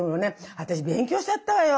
私勉強しちゃったわよ